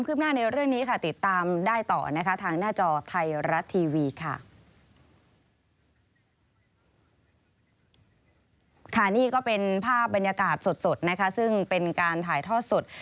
นี่ก็เป็นภาพบรรยากาศสดนะคะซึ่งเป็นการถ่ายทอดสด